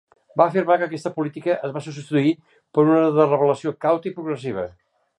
Va afirmar que aquesta política es va substituir per una de revelació cauta i progressiva.